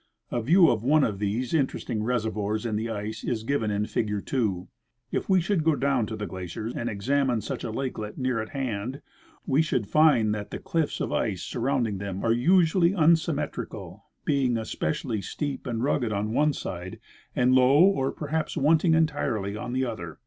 A view of one of these interesting reservoirs in the ice is given in figure 2. If we should go down to the glacier and examine such a lakelet near at hand, we should find that the clifis of ice surrounding them are usually unsymmetrical, being especially steep and rugged on one side FiGURfi 3 — Section of a glacial lakelet. and loAV or perhaps wanting entirely on the other.